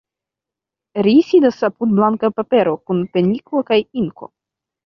Ri sidas apud blanka papero, kun peniko kaj inko.